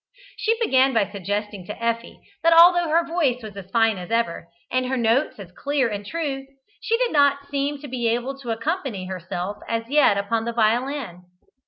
She began by suggesting to Effie that although her voice was as fine as ever, and her notes as clear and true, she did not seem to be able to accompany herself as yet upon the violin.